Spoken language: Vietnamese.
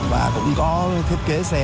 và cũng có thiết kế xe